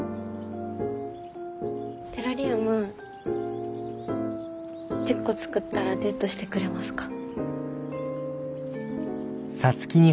テラリウム１０個作ったらデートしてくれますか？